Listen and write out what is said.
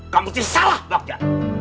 kamu sih salah bagja